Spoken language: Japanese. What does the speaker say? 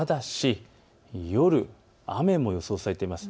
夜、雨も予想されています。